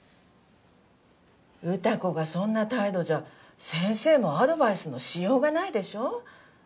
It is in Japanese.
詩子がそんな態度じゃ先生もアドバイスのしようがないでしょ？